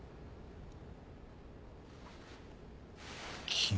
君。